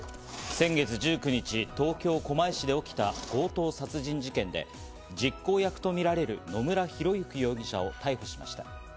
先月１９日、東京・狛江市で起きた強盗殺人事件で実行役とみられる野村広之容疑者を逮捕しました。